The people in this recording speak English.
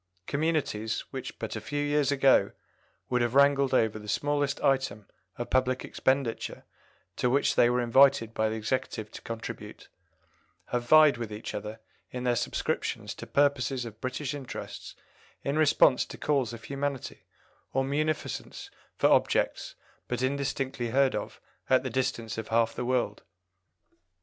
Communities, which but a few years ago would have wrangled over the smallest item of public expenditure to which they were invited by the Executive to contribute, have vied with each other in their subscriptions to purposes of British interests in response to calls of humanity, or munificence for objects but indistinctly heard of at the distance of half the world."